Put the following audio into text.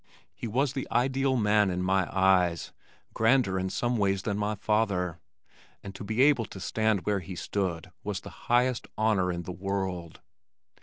He was the ideal man in my eyes, grander in some ways than my father, and to be able to stand where he stood was the highest honor in the world.